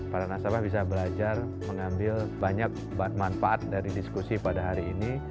para nasabah bisa belajar mengambil banyak manfaat dari diskusi pada hari ini